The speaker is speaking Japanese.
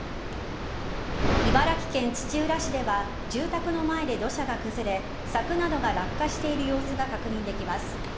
茨城県土浦市では住宅の前で土砂が崩れ柵などが落下している様子が確認できます。